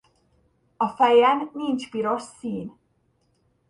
A fejen nincs piros szín.